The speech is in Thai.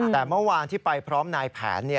แต่เมื่อวานที่ไปพร้อมนายแผน